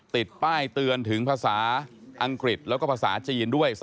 ติดป้ายเตือนถึงภาษาอังกฤษแล้วก็ภาษาจีนด้วย